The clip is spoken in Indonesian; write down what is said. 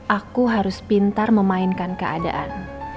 aku harus pintar memainkan keadaan